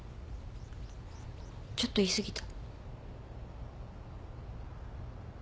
ちょっと言いすぎた。